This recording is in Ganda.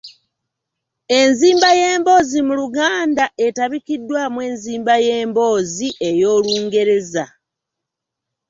Enzimba y’emboozi mu Luganda etabikiddwamu enzimba y’emboozi ey’Olungereza